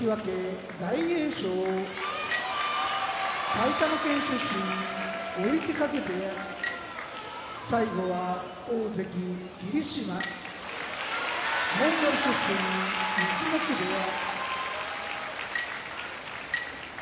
埼玉県出身追手風部屋大関・霧島モンゴル出身陸奥部屋